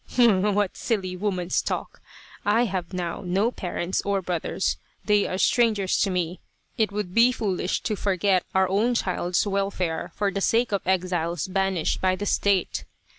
" What silly woman's talk ! I have now no parents or brothers they are strangers to me ! It would be foolish to forget our own child's welfare for the sake of exiles banished by the State.